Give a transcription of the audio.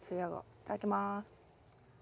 いただきます。